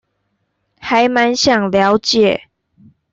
還滿想了解